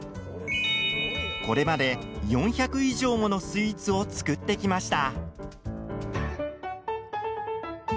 これまで４００以上ものスイーツを作ってきました。